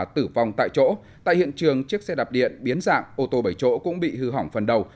tại hiện trường chiếc xe đạp điện biến dạng ô tô bảy chỗ cũng bị hư hỏng phần đầu